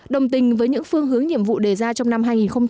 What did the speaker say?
đồng tình với những phương hướng nhiệm vụ đề ra trong năm hai nghìn một mươi bảy